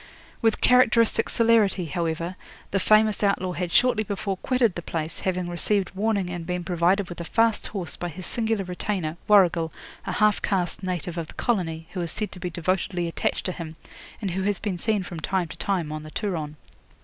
'With characteristic celerity, however, the famous outlaw had shortly before quitted the place, having received warning and been provided with a fast horse by his singular retainer, Warrigal, a half caste native of the colony, who is said to be devotedly attached to him, and who has been seen from time to time on the Turon.